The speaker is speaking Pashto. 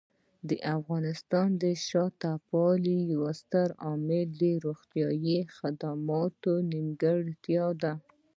د افغانستان د شاته پاتې والي یو ستر عامل د روغتیايي خدماتو نیمګړتیاوې دي.